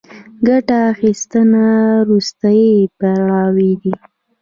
ګټه اخیستنه وروستی پړاو دی